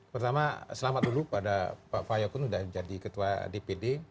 pertama selamat dulu pada pak fayokun sudah jadi ketua dpd